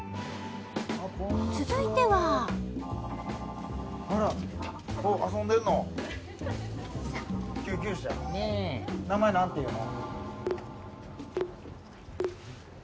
続いては名前何ていうの？